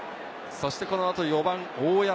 この後、４番・大山。